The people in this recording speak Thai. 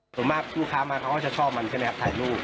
ส่วนมากลูกค้ามาเขาก็จะชอบมันก็แอบถ่ายรูป